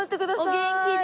お元気で。